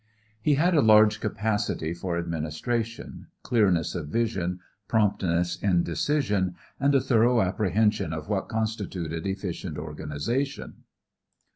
He had a large capacity for administration, clearness of vision, promptness in decision, and a thorough apprehension of what constituted efficient organization.